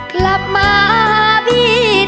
เพราะเธอชอบเมือง